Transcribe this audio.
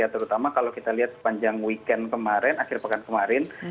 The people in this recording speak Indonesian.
terutama kalau kita lihat sepanjang weekend kemarin akhir pekan kemarin